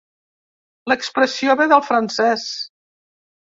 L'expressió ve del francès.